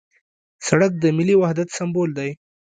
سړک د ملي وحدت سمبول دی.